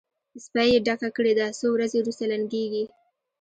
سپۍ یې ډکه کړې ده؛ څو ورځې روسته لنګېږي.